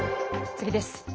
次です。